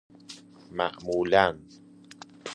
معمولا